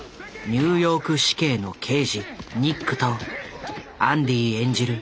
ニューヨーク市警の刑事ニックとアンディ演じる